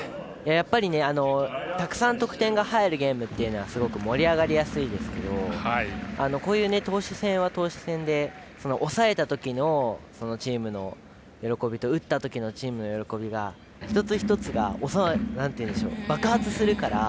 やっぱり、たくさん得点が入るゲームっていうのはすごく盛り上がりやすいですけどこういう投手戦は投手戦で抑えたときのチームの喜びと打ったときのチームの喜びの一つ一つが爆発するから。